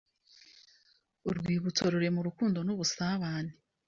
urwibutso rurema urukundo n’ubusabane,